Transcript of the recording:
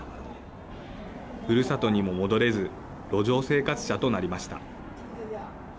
ふるさとにも戻れず路上生活者となりました。